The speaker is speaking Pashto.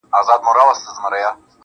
• ستا سترگي دي.